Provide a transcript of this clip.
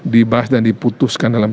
dibahas dan diputuskan dalam